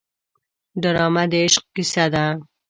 ډرامه د عشق کیسه ده